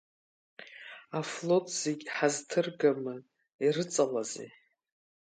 Афлот зегь ҳазҭыргама, ирыҵалазеи?!